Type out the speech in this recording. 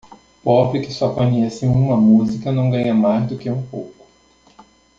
Pobre que só conhece uma música não ganha mais do que um pouco.